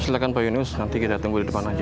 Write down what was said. silahkan pak yunus nanti kita tunggu di depan aja